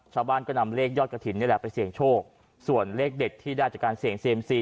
ชาวบ้านก็นำเลขยอดกระถิ่นนี่แหละไปเสี่ยงโชคส่วนเลขเด็ดที่ได้จากการเสี่ยงเซียมซี